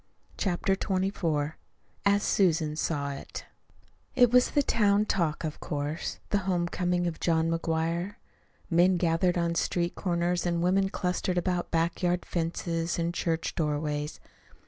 CHAPTER XXIV AS SUSAN SAW IT It was the town talk, of course the home coming of John McGuire. Men gathered on street corners and women clustered about back yard fences and church doorways.